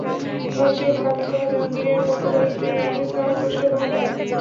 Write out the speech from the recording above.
কথাসাহিত্যে কামরুজ্জামান জাহাঙ্গীরের পক্ষে তাঁর স্ত্রী নারগিস নাহার পুরস্কার গ্রহণ করেন।